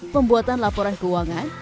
pembuatan laporan keuangan